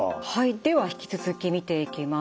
では引き続き見ていきます。